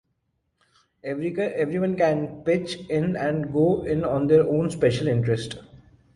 Everyone can pitch in and go in on their own special interest.